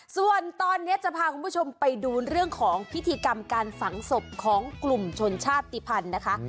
ส่วนตอนนี้จะพาคุณผู้ชมไปดูเรื่องของพิธีกรรมการฝังศพของกลุ่มชนชาติภัณฑ์นะคะ